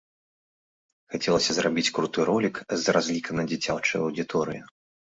Хацелася зрабіць круты ролік з разлікам на дзіцячую аўдыторыю.